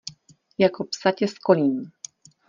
Jako psa tě skolím!